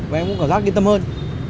bọn em cũng cảm giác yên tâm hơn